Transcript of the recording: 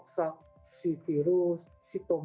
penyebabnya adalah virus yang menyebabkan penyebabnya